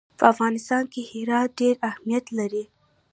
په افغانستان کې هرات ډېر اهمیت لري.